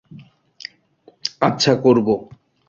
আচ্ছা, করব।